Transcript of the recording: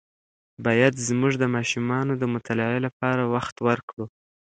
باید زموږ د ماشومانو د مطالعې لپاره وخت ورکړو.